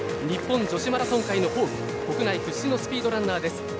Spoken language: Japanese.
日本女子マラソン界のホープ国内屈指のスピードランナーです。